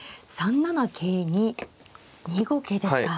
３七桂に２五桂ですか。